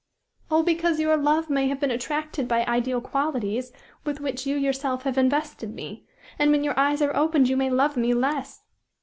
"Oh! because your love may have been attracted by ideal qualities, with which you yourself have invested me; and when your eyes are opened you may love me less."